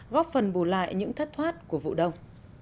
góp phần bù lại những thất thoát của vụ đông